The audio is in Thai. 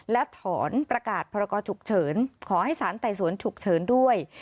และถอนประกาศพรกรฉุกเฉินขอให้สารไต่สวนฉุกเฉินด้วย